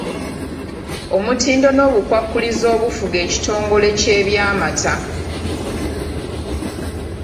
Omutindo n’obukwakkulizo obufuga ekitongole ky’eby’amata.